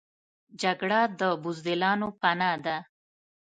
جګړه د بزدلانو پناه ده